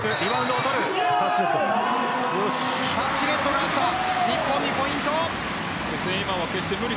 タッチネットがあった日本にポイント。